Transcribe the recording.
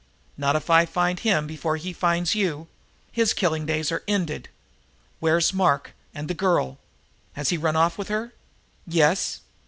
"Not if I find him before he finds you. His killing days are ended! Where's Mark and the girl? Has he run off with her?" "Yes."